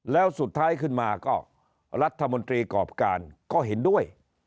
แล้วสุดท้ายขึ้นมาก็รัฐมนตรีกรอบการก็เห็นด้วย